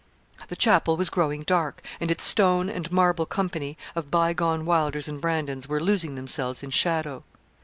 The chapel was growing dark, and its stone and marble company of bygone Wylders and Brandons were losing themselves in shadow.